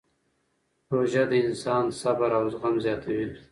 روژه د انسان صبر او زغم زیاتوي.